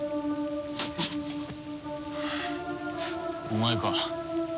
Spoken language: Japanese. お前か。